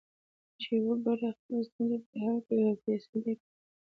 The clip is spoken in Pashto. چې وګړي خپلې ستونزې پرې حل کوي او فیصلې کوي.